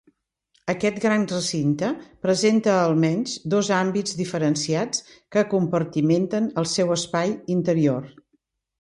Aquest gran recinte presenta almenys dos àmbits diferenciats que compartimenten el seu espai interior.